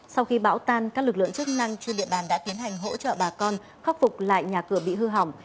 sau khi bão tan các lực lượng chức năng trên địa bàn đã tiến hành hỗ trợ bà con khắc phục lại nhà cửa bị hư hỏng